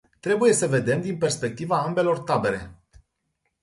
Trebuie să vedem din perspectiva ambelor tabere.